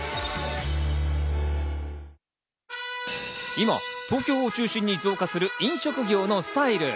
今、東京を中心に増加する飲食業のスタイル。